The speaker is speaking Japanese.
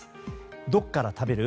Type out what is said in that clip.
どこから食べる？